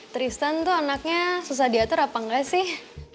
tristan tuh anaknya susah diatur apa enggak sih